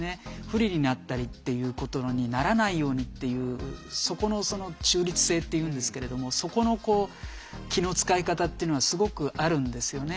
不利になったりっていうことにならないようにっていうそこのその中立性っていうんですけれどもそこのこう気の遣い方っていうのはすごくあるんですよね。